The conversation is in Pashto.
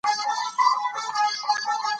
دوی په خپلو منځو کې ښکرې اچوي.